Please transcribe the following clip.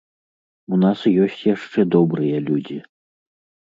У нас ёсць яшчэ добрыя людзі!